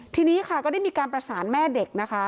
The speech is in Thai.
ทีนี้ค่ะก็ได้มีการประสานแม่เด็กนะคะ